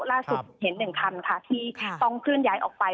ล่าสุดเห็น๑คันค่ะที่ต้องเคลื่อนย้ายออกไป